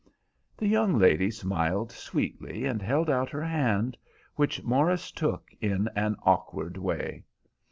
The young lady smiled sweetly and held out her hand, which Morris took in an awkward way.